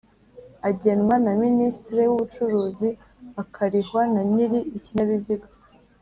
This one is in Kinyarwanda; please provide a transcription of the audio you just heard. - -agenwa na ministre w’ubucuruzi akarihwa wa nyiri ikinyabiziga